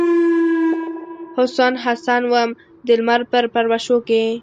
حسن ، حسن وم دلمر په پلوشو کې